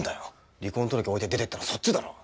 離婚届置いて出ていったのはそっちだろ。